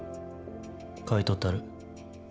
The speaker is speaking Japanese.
買い取ったる。